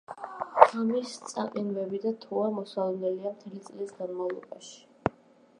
ღამის წაყინვები და თოვა მოსალოდნელია მთელი წლის განმავლობაში.